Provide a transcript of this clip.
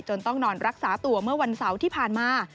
ต้องนอนรักษาตัวเมื่อวันเสาร์ที่ผ่านมา